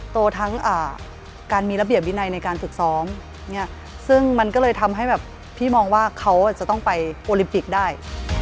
ทั้งการมีระเบียบวินัยในการฝึกซ้อมซึ่งมันก็เลยทำให้แบบพี่มองว่าเขาจะต้องไปโอลิมปิกได้